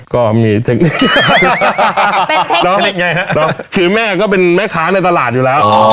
ก็มีเทคนิคเป็นเทคนิคไงฮะคือแม่ก็เป็นแม่ค้าในตลาดอยู่แล้ว